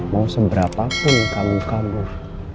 mau seberapapun kamu kabur